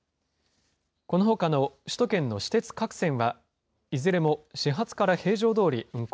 このほかの首都圏の私鉄各線は、いずれも始発から平常どおり運行